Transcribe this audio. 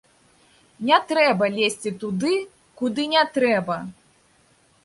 Не трэба лезці туды, куды не трэба!